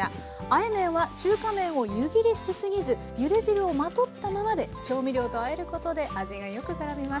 あえ麺は中華麺を湯切りしすぎずゆで汁をまとったままで調味料とあえることで味がよくからみます。